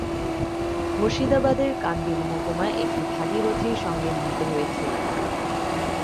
মুর্শিদাবাদের কান্দি মহকুমায় এটি ভাগীরথীর সঙ্গে মিলিত হয়েছে।